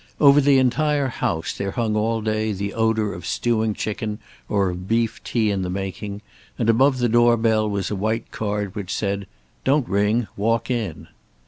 Over the entire house there hung all day the odor of stewing chicken or of beef tea in the making, and above the doorbell was a white card which said: "Don't ring. Walk in."